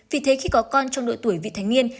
vì thế khi có con trong độ tuổi vị thành niên